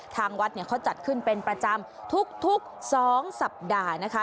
ทางวัดเขาจัดขึ้นเป็นประจำทุก๒สัปดาห์นะคะ